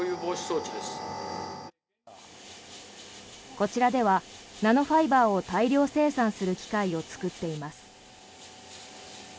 こちらではナノファイバーを大量生産する機械を作っています。